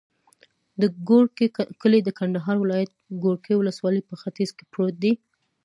د ګورکي کلی د کندهار ولایت، ګورکي ولسوالي په ختیځ کې پروت دی.